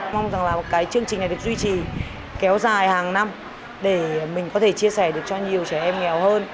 mong rằng là cái chương trình này được duy trì kéo dài hàng năm để mình có thể chia sẻ được cho nhiều trẻ em nghèo hơn